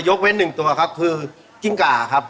เว้นหนึ่งตัวครับคือกิ้งก่าครับ